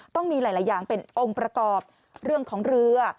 ต้องมีหลายอย่างเป็นองค์ประกอบเรื่องของเรือ